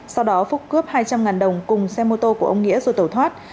sau đó phúc cướp hai trăm linh đồng cùng xe mô tô của ông nghĩa rồi tẩu thoát